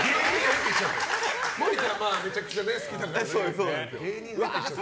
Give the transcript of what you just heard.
森田はめちゃくちゃ好きだからね。